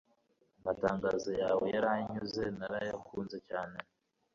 amatangazo yawe yaranyuze, narayakunze cyane